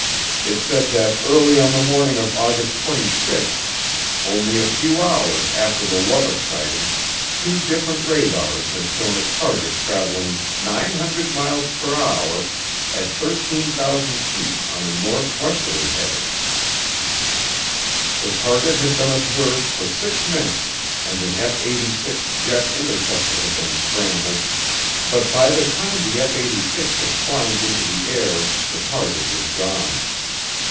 It said that early on the morning of August 26, only a few hours after the Lubbock sighting, two different radars had shown a target traveling 900 miles per hour at 13,000 feet on a northwesterly heading. The target had been observed for six minutes and an F 86 jet interceptor had been scrambled but by the time the F 86 had climbed into the air the target was gone.